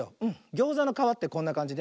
ギョーザのかわってこんなかんじね。